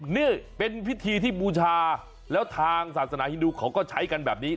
นี่เป็นพิธีที่บูชาแล้วทางศาสนาฮินดูเขาก็ใช้กันแบบนี้